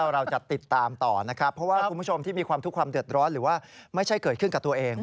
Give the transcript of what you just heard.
เราจะติดตามต่อนะครับเพราะว่าคุณผู้ชมที่มีความทุกข์ความเดือดร้อนหรือว่าไม่ใช่เกิดขึ้นกับตัวเอง